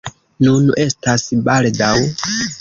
Nun estas baldaŭ!